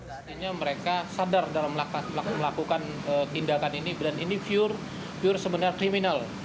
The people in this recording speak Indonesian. artinya mereka sadar dalam melakukan tindakan ini dan ini pure sebenarnya kriminal